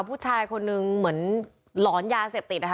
ผู้ชายคนนึงเหมือนหลอนยาเสพติดนะคะ